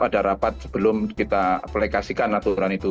ada rapat sebelum kita aplikasikan aturan itu